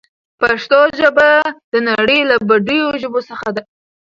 پښتو ژبه د نړۍ له بډايو ژبو څخه ده.